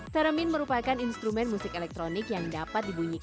teramin merupakan instrumen musik elektronik yang dapat dibunyikan